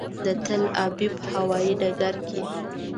د تل ابیب هوایي ډګر کې.